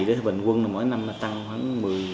thì bình quân mỗi năm tăng khoảng một mươi bảy